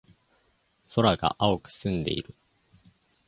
空が青く澄んでいる。